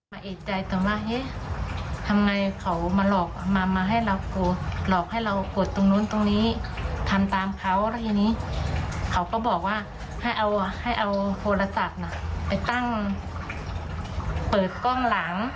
เอกใจแต่ว่าเอ๊ะทำไงเขามาหลอกมามาให้เรากดหลอกให้เรากดตรงนู้นตรงนี้ทำตามเขาแล้วทีนี้เขาก็บอกว่าให้เอาให้เอาโทรศัพท์น่ะไปตั้งเปิดกล้องหลัง